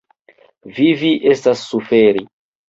Vivi estas suferi.